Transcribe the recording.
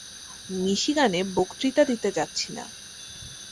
মিশিগানে বক্তৃতা দিতে যাচ্ছি না।